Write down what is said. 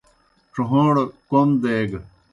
ڇھوݩڑ کوْم دیگہ۔